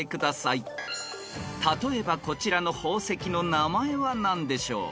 ［例えばこちらの宝石の名前は何でしょう？］